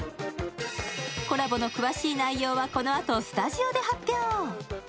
コラボの詳しい内容はこのあとスタジオで発表。